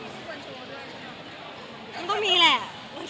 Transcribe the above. มันต้องมีแหละ